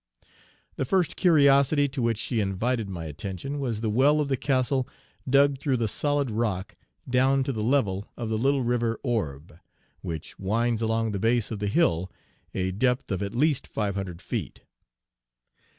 The first curiosity to which she invited my attention was the well of the castle, dug through the solid rock, down to the level of the little River Orbe, which winds along the base of the hill, a depth of at least five hundred feet.